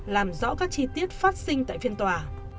làm rõ các chi tiết phát sinh tại phiên tòa